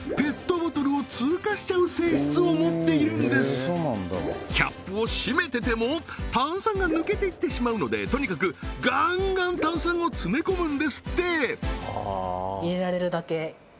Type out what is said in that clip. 実はキャップを閉めてても炭酸が抜けていってしまうのでとにかくガンガン炭酸を詰め込むんですって